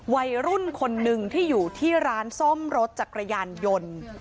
วัยรุ่นคนหนึ่งที่อยู่ที่ร้านซ่อมรถจักรยานยนต์